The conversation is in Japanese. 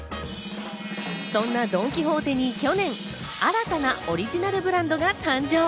そんなドン・キホーテに去年、新たなオリジナルブランドが誕生。